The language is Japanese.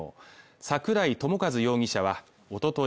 桜井朝和容疑者はおととい